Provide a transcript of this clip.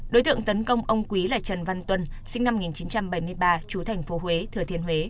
đối tượng tấn công ông quý là trần văn tuân sinh năm một nghìn chín trăm bảy mươi ba chú thành phố huế thừa thiên huế